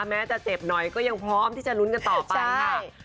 แม้จะเจ็บหน่อยก็ยังพร้อมที่จะลุ้นกันต่อไปค่ะ